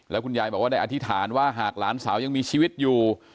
คุณยายบอกว่าได้อธิษฐานว่าหากหลานสาวยังมีชีวิตอยู่